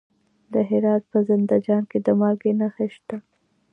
د هرات په زنده جان کې د مالګې نښې شته.